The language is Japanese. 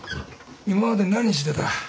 今まで何日出た。